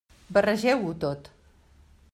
Barregeu-ho tot.